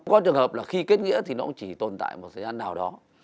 có trường hợp là khi kết nghĩa thì nó cũng chỉ tồn tại một thời gian nào đó